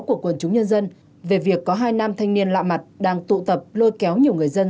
của quần chúng nhân dân về việc có hai nam thanh niên lạ mặt đang tụ tập lôi kéo nhiều người dân